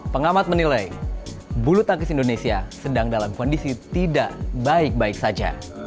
pengamat menilai bulu tangkis indonesia sedang dalam kondisi tidak baik baik saja